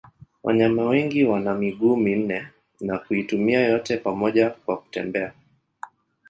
Wanyama wengi wana miguu minne na kuitumia yote pamoja kwa kutembea.